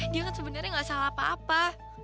dia kan sebenarnya gak salah apa apa